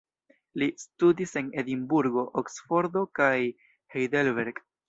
Li studis en Edinburgo, Oksfordo kaj Heidelberg.